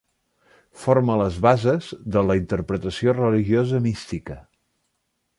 Forma les bases de la interpretació religiosa mística.